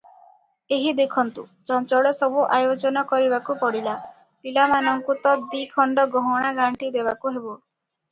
ଏହି ଦେଖନ୍ତୁ, ଚଞ୍ଚଳ ସବୁ ଆୟୋଜନ କରିବାକୁ ପଡ଼ିଲା, ପିଲାମାନଙ୍କୁ ତ ଦିଖଣ୍ଡ ଗହଣାଗାଣ୍ଠି ଦେବାକୁ ହେବ ।